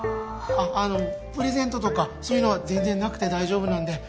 あっあのプレゼントとかそういうのは全然なくて大丈夫なんで